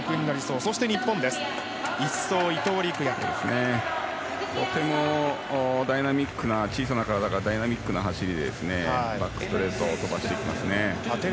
とても小さな体からダイナミックな走りでバックストレート飛ばしていきますね。